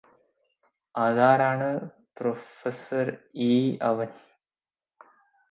അതാരാണ് പ്രൊഫസര് ഈ അവന്